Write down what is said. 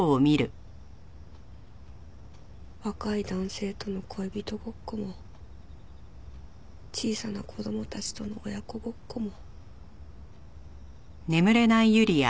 若い男性との恋人ごっこも小さな子供たちとの親子ごっこも。